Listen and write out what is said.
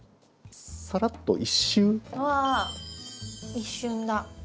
一瞬だ。